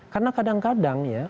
karena kadang kadang ya